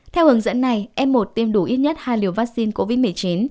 theo hướng dẫn này f một tiêm đủ ít nhất hai liều vaccine covid một mươi chín